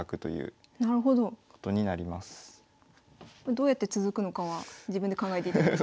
どうやって続くのかは自分で考えていただいて。